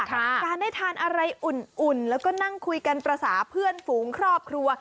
การได้ทานอะไรอุ่นแล้วก็นั่งคุยกันภาษาเพื่อนฝูงครอบครัว